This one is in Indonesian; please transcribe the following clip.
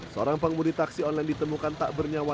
seorang panggung di taksi online ditemukan tak bernyawa